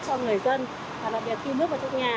cho người dân và đặc biệt khi bước vào trong nhà